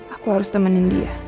aku harus temenin dia